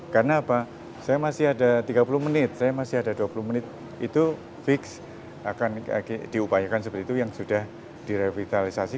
karena apa saya masih ada tiga puluh menit saya masih ada dua puluh menit itu fix akan diupayakan seperti itu yang sudah direvitalisasi